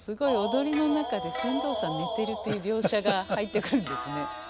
踊りの中で船頭さん寝てるっていう描写が入ってくるんですね。